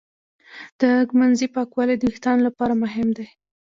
د ږمنځې پاکوالی د وېښتانو لپاره مهم دی.